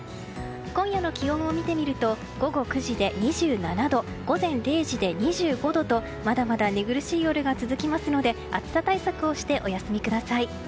今夜の気温を見てみると午後９時で２７度午前０時で２５度とまだまだ寝苦しい夜が続きますので暑さ対策をしてお休みください。